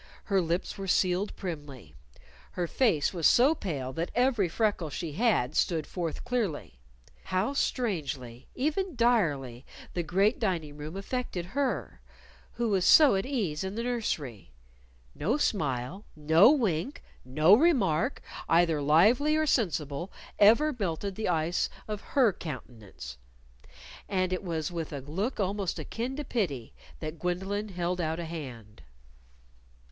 Her lips were sealed primly. Her face was so pale that every freckle she had stood forth clearly. How strangely even direly the great dining room affected her who was so at ease in the nursery! No smile, no wink, no remark, either lively or sensible, ever melted the ice of her countenance. And it was with a look almost akin to pity that Gwendolyn held out a hand.